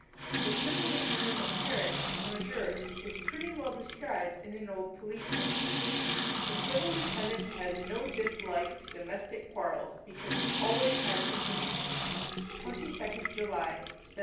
The civil lieutenant of Paris, Monsieur, is pretty well described in an old police note: "The civil lieutenant has no dislike to domestic quarrels, because he always has the pickings" (22nd July 1704).